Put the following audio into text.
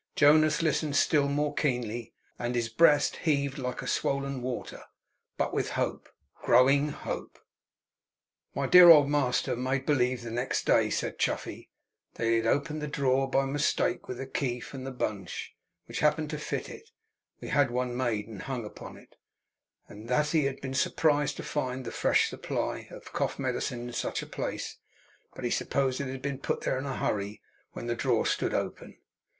Jonas listened still more keenly, and his breast heaved like a swollen water, but with hope. With growing hope. 'My dear old master made believe next day,' said Chuffey, 'that he had opened the drawer by mistake with a key from the bunch, which happened to fit it (we had one made and hung upon it); and that he had been surprised to find his fresh supply of cough medicine in such a place, but supposed it had been put there in a hurry when the drawer stood open.